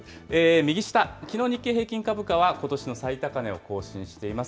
右下、きのう、日経平均株価は、ことしの最高値を更新しています。